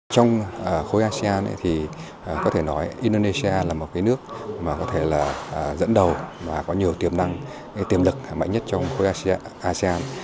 trong thời gian tới indonesia là một nước dẫn đầu và có nhiều tiềm năng tiềm lực mạnh nhất trong khối asean